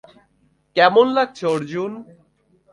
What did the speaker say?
কেমন লাগছে, অর্জুন?